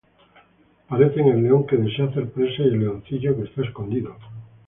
Parecen al león que desea hacer presa, Y al leoncillo que está escondido.